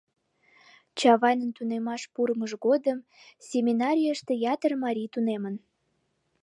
Чавайнын тунемаш пурымыж годым семинарийыште ятыр марий тунемын.